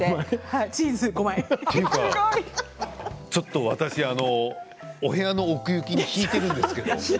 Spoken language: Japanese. ちょっと私、お部屋の奥行きに引いているんですけど。